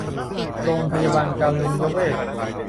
โรงพยาบาลการุญเวช